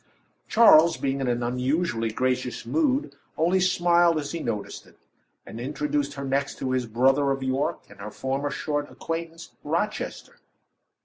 Charles being in an unusually gracious mood, only smiled as he noticed it, and introduced her next to his brother of York, and her former short acquaintance, Rochester.